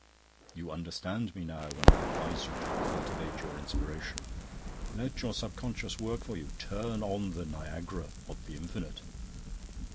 "You understand me now when I advise you to cultivate your Inspiration. Let your Subconscious work for you; turn on the Niagara of the Infinite."